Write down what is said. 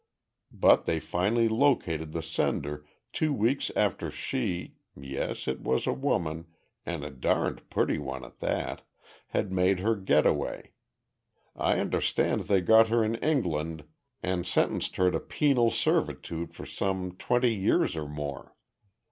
But they finally located the sender, two weeks after she (yes, it was a woman, and a darned pretty one at that) had made her getaway. I understand they got her in England and sentenced her to penal servitude for some twenty years or more.